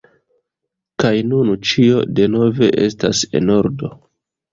kaj nun ĉio denove estas en ordo: